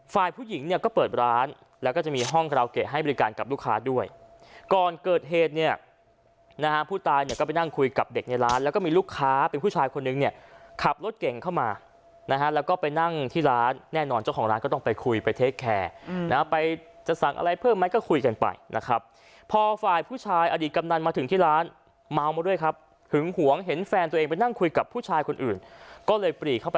ฝ่ายผู้หญิงเนี่ยก็เปิดร้านแล้วก็จะมีห้องการาโอเกะให้บริการกับลูกค้าด้วยก่อนเกิดเหตุเนี่ยนะฮะผู้ตายเนี่ยก็ไปนั่งคุยกับเด็กในร้านแล้วก็มีลูกค้าเป็นผู้ชายคนนึงเนี่ยขับรถเก่งเข้ามานะฮะแล้วก็ไปนั่งที่ร้านแน่นอนเจ้าของร้านก็ต้องไปคุยไปเทคแคร์นะฮะไปจะสั่งอะไรเพิ่มไหมก็คุยกันไปนะครับ